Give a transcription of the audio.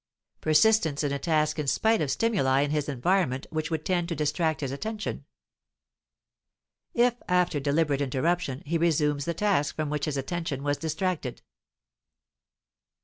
Persistence in a task in spite of stimuli in his environment which would tend to distract his attention. If after deliberate interruption he resumes the task from which his attention was distracted.